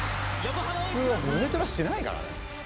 普通は胸トラしないからね。